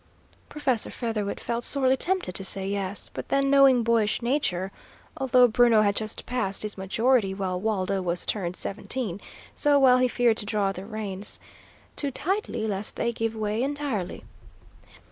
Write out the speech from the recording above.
Professor Featherwit felt sorely tempted to say yes, but then, knowing boyish nature (although Bruno had just passed his majority, while Waldo was "turned seventeen") so well, he feared to draw the reins too tightly lest they give way entirely.